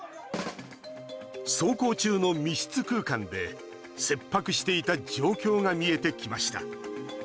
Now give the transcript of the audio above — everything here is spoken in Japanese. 走行中の密室空間で切迫していた状況が見えてきました。